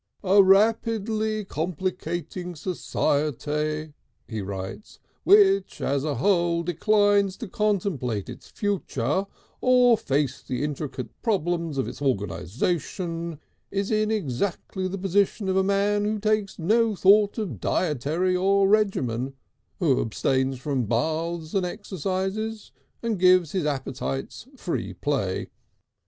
"A rapidly complicating society," he writes, "which as a whole declines to contemplate its future or face the intricate problems of its organisation, is in exactly the position of a man who takes no thought of dietary or regimen, who abstains from baths and exercise and gives his appetites free play.